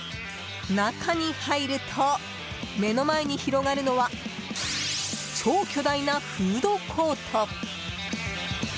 中に入ると、目の前に広がるのは超巨大なフードコート。